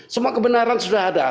semua kebenaran sudah ada